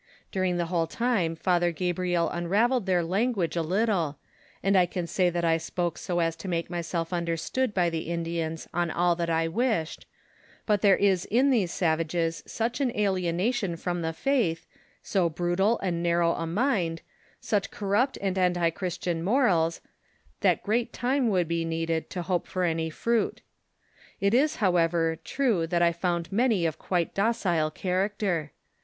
During the whole time Father Gabriel unraveled their language a little, and I can say that I spoke so as to make myself under stood by the Indians on all that I wished ; but there is in these savages such an alienation from the faith, so brutal and narrow a mind, such corrupt and antichristian morals, that great time would be needed to hope for any fruit. It is, how ever, true that I found many of quite docile character.